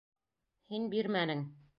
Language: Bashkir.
Һин бирмәнең!